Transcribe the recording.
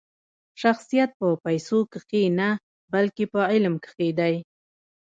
شخصیت په پیسو کښي نه؛ بلکي په علم کښي دئ.